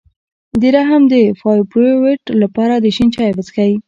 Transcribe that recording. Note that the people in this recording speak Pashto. د رحم د فایبرویډ لپاره د شین چای وڅښئ